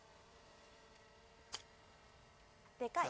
でかい。